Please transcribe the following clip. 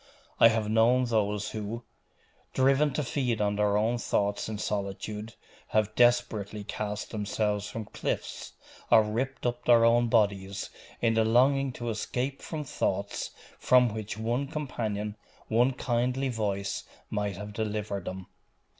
I have known those who, driven to feed on their own thoughts in solitude, have desperately cast themselves from cliffs or ripped up their own bodies, in the longing to escape from thoughts, from which one companion, one kindly voice, might have delivered them.